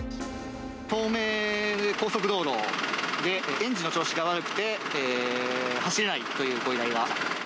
東名で、高速道路で、エンジンの調子が悪くて、走れないというご依頼が。